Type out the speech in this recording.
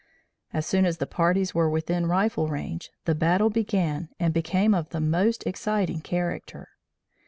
As soon as the parties were within rifle range, the battle began and became of the most exciting character.